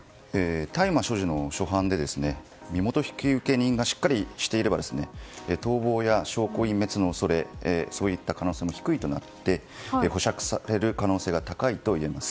大麻所持の初犯で身元引受人がしっかりしていれば逃亡や証拠隠滅の恐れそういった可能性も低くなって保釈される可能性が高いといえます。